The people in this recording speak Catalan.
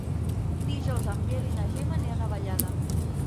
Dijous en Biel i na Gemma aniran a Vallada.